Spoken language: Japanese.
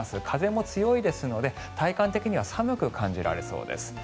風も強いですので体感的には寒く感じられそうです。